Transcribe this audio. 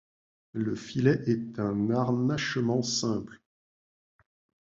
Le filet est un harnachement simple.